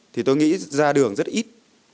thì tôi nghĩ ra đường rất ít